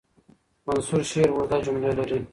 منثور شعر اوږده جملې لري.